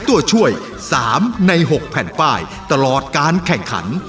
ตัวช่วย๓ใน๖แผ่นป้ายตลอดการแข่งขัน